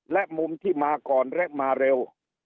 และมุมที่มาก่อนและมาเร็ว